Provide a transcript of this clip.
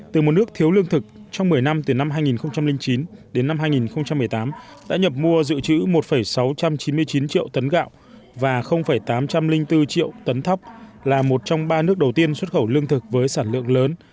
từ một nước thiếu lương thực trong một mươi năm từ năm hai nghìn chín đến năm hai nghìn một mươi tám đã nhập mua dự trữ một sáu trăm chín mươi chín triệu tấn gạo và tám trăm linh bốn triệu tấn thóc là một trong ba nước đầu tiên xuất khẩu lương thực với sản lượng lớn